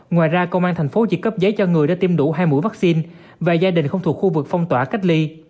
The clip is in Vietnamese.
ngoài ra công an thành phố chỉ cấp giấy cho người đã tiêm đủ hai mũi vaccine và gia đình không thuộc khu vực phong tỏa cách ly